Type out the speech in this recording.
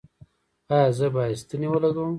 ایا زه باید ستنې ولګوم؟